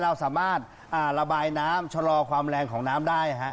เราสามารถระบายน้ำชะลอความแรงของน้ำได้